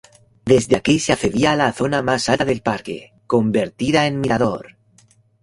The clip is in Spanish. Desde aquí se accedía a la zona más alta del parque, convertida en mirador.